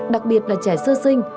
đặc biệt là trẻ sơ sinh